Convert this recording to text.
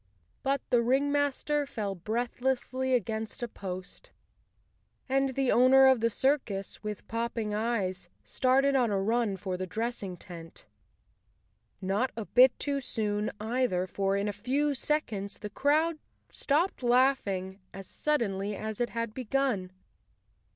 But the ringmaster fell breathlessly against a post, and the owner of the circus, with popping eyes, started on a run for the dressing tent. Not a bit too soon, either, for in a few seconds the crowd stopped laughing as sud¬ denly as it had begun.